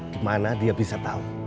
gimana dia bisa tahu